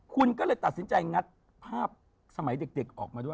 คุณก็เลยตัดสินใจงัดภาพสมัยเด็กออกมาด้วย